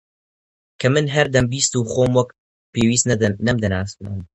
کە من هەر دەمبیست و خۆم وەک پێویستە نەمدەناسی